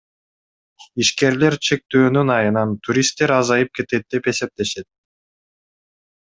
Ишкерлер чектөөнүн айынан туристтер азайып кетет деп эсептешет.